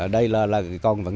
đây là cái con vấn đề